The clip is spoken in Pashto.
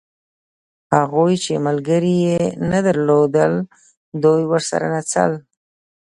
هغوی چې ملګري یې نه درلودل دوی ورسره نڅل.